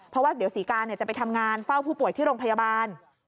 เพราะว่าเดี๋ยวศรีกาจะไปทำงานเฝ้าผู้ป่วยที่โรงพยาบาล